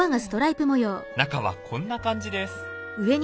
中はこんな感じです。